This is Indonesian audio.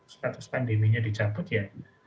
status pandeminya dicampur